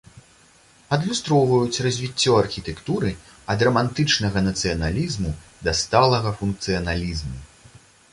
Адлюстроўваюць развіццё архітэктуры ад рамантычнага нацыяналізму да сталага функцыяналізму.